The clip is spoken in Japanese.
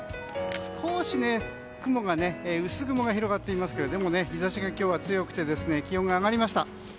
少し薄曇が広がっていますがでも日差しが今日は強くて気温が上がりました。